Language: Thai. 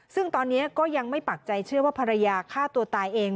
ซึ่งตอนนี้ก็ยังไม่ปักใจเชื่อว่าภรรยาฆ่าตัวตายเอง